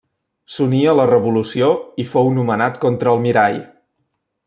S'uní a la Revolució i fou nomenat contraalmirall.